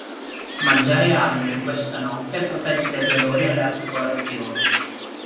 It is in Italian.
Mangiare aglio in questa notte protegge dai dolori alle articolazioni.